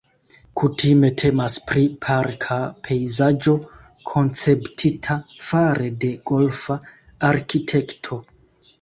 Kutime temas pri parka pejzaĝo konceptita fare de golfa arkitekto.